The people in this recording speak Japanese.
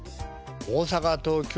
大阪東京